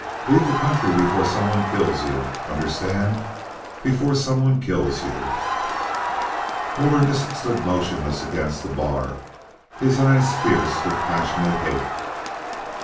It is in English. Leave the country before some one kills you understand, before some one kills you!" Holderness stood motionless against the bar, his eyes fierce with passionate hate.